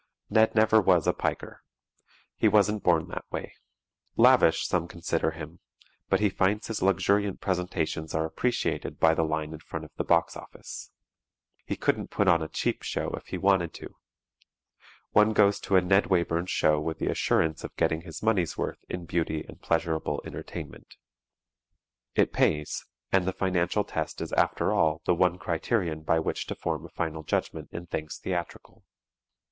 Ned never was a piker. He wasn't born that way. Lavish some consider him, but he finds his luxuriant presentations are appreciated by the line in front of the box office. He couldn't put on a "cheap" show if he wanted to. One goes to a Ned Wayburn show with the assurance of getting his money's worth in beauty and pleasurable entertainment. It pays; and the financial test is after all the one criterion by which to form a final judgment in things theatrical.